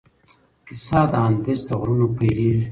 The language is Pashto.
کیسه د اندلس له غرونو پیلیږي.